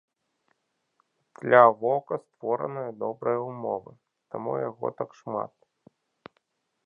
Для воўка створаныя добрыя ўмовы, таму яго так шмат.